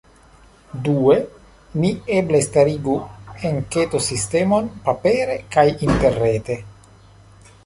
Due, ni eble starigu enketo-sistemon, papere kaj interrete.